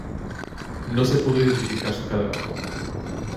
No se pudo identificar su cadáver.